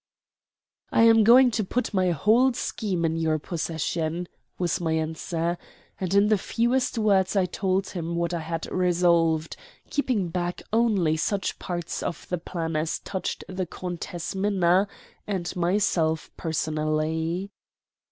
"I am going to put my whole scheme in your possession," was my answer; and in the fewest words I told him what I had resolved, keeping back only such parts of the plan as touched the Countess Minna and myself personally.